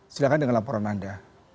silakan dengan laporan anda